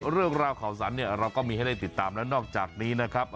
เรื่องราวข่าวสรรเนี่ยเราก็มีให้ได้ติดตามแล้วนอกจากนี้นะครับ